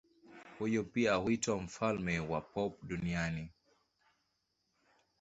Huyu pia huitwa mfalme wa pop duniani.